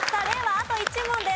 あと１問です。